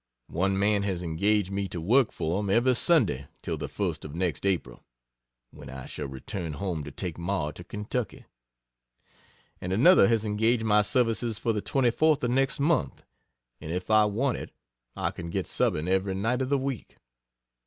One man has engaged me to work for him every Sunday till the first of next April, (when I shall return home to take Ma to Ky;) and another has engaged my services for the 24th of next month; and if I want it, I can get subbing every night of the week.